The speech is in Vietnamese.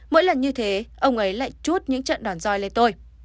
mỗi lần như thế ông ấy lại chút những trận đòn roi lên tôi